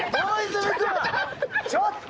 ちょっと！